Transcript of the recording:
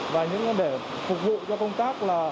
và những người để phục vụ cho công tác